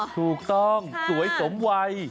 ถูกต้องสวยสมวัย